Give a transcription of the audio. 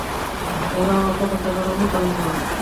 এবার, আমার প্রত্যেকটা কথা অনুসরণ কর।